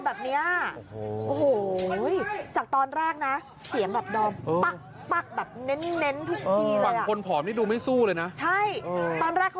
พอแล้วพอแล้วพี่สู้แล้ว